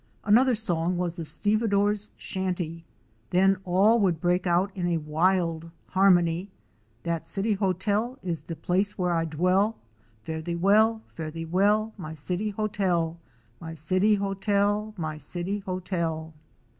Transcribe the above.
Another song was the Stevedore's Shantée. Then all would break out in a wild harmony. "Dat citee hotel is de place wha I dwell, Fare thee well — fare thee well — my citee hotel, My citee hotel — my citee hotel."